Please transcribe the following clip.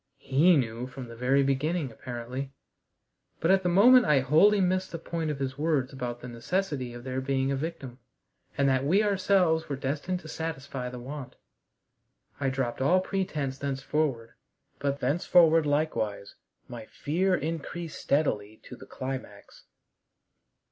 He knew from the very beginning, apparently. But at the moment I wholly missed the point of his words about the necessity of there being a victim, and that we ourselves were destined to satisfy the want. I dropped all pretense thenceforward, but thenceforward likewise my fear increased steadily to the climax.